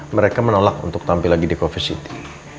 mereka menolak untuk tampil lagi di coffee city